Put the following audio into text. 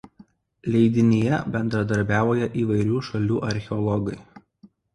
Leidinyje bendradarbiauja įvairių šalių archeologai.